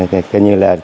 thì thấy là